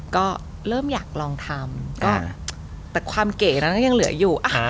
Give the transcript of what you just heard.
ก็เริ่มอยากลองทำก็แต่ความเก๋นั้นก็ยังเหลืออยู่